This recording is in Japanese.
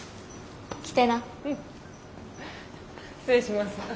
失礼します。